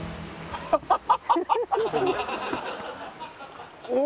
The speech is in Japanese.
ハハハハ！